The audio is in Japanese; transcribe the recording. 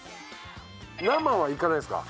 生はいかないんですか？